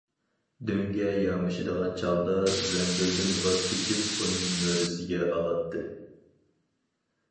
دۆڭگە يامىشىدىغان چاغدا زەمبىلدىن ۋاز كېچىپ ئۇنى مۈرىسىگە ئالاتتى.